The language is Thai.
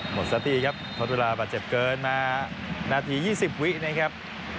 หมดสติครับทดเวลาบาดเจ็บเกินมานาที๒๐วินะครับ